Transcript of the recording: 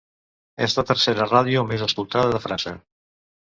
És la tercera ràdio més escoltada de França.